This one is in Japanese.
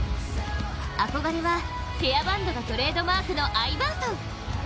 憧れはヘアバンドがトレードマークのアイバーソン。